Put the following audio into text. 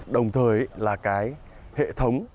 đồng thời là cái hệ thống